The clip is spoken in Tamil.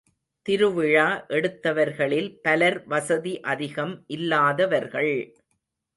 திருவிழா எடுத்தவர்களில் பலர் வசதி அதிகம் இல்லாதவர்கள்!